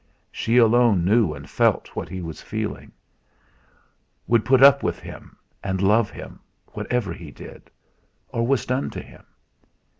She alone knew and felt what he was feeling; would put up with him and love him whatever he did, or was done to him.